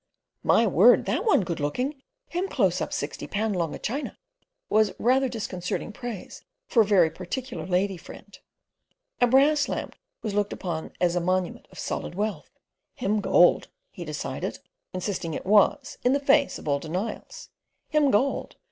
"My word! That one good looking. Him close up sixty pound longa China," was rather disconcerting praise of a very particular lady friend. A brass lamp was looked upon as a monument of solid wealth, "Him gold," he decided, insisting it was in the face of all denials. "Him gold.